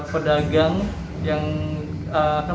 pedagang yang akan